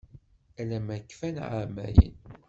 Ala ma kfan εamayen.